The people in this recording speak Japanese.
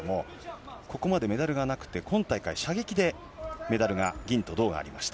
ここまでメダルがなくて、今大会、射撃でメダルが銀と銅がありました。